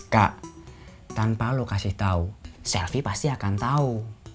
kak tanpa lo kasih tau selfie pasti akan tau